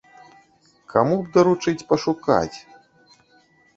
Каму б даручыць пашукаць?